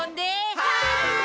はい！